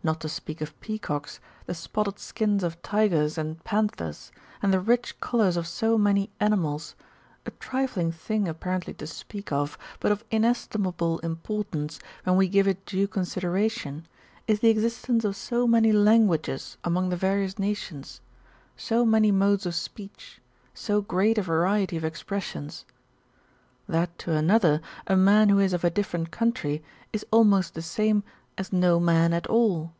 Not to speak of peacocks, the spotted skins of tigers and pan thers, and the rich colours of so many animals, a trifling thing apparently to speak of, but of inestimable importance, when we give it due consideration, is the existence of so many lan guages among the various nations, so many modes of speech, so great a variety of expressions ; that to another, a man who is of a diff'erent country, is almost the same as no man at all.